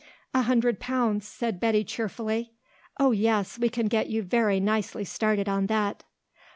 "A hundred pounds," said Betty cheerfully; "Oh, yes; we can get you very nicely started on that."